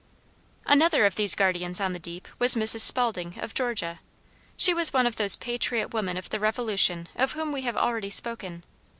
Another of these guardians on the deep was Mrs. Spalding, of Georgia. She was one of those patriot women of the Revolution of whom we have already spoken.